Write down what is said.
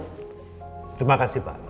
terima kasih pak